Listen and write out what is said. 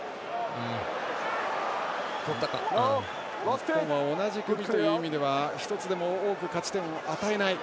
日本は同じ組という意味では１つでも多く勝ち点を与えない。